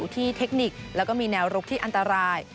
ที่เทคนิคแล้วก็มีแนวรุกที่อันตราย